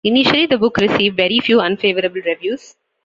Initially the book received very few unfavorable reviews.